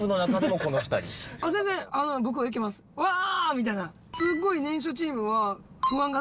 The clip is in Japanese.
みたいな。